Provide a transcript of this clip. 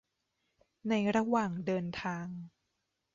ในระหว่างเดินทาง